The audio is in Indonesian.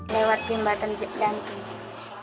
lewat jembatan gantung